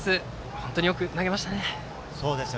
本当によく投げましたね。